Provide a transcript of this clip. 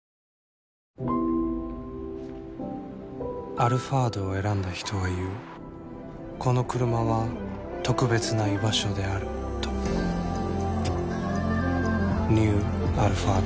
「アルファード」を選んだ人は言うこのクルマは特別な居場所であるとニュー「アルファード」